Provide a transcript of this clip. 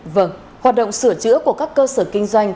vâng hoạt động sửa chữa của các cơ sở kinh doanh